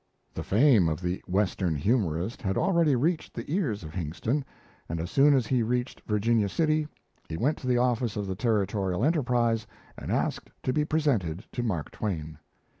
The fame of the Western humorist had already reached the ears of Hingston; and as soon as he reached Virginia City, he went to the office of the 'Territorial Enterprise' and asked to be presented to Mark Twain.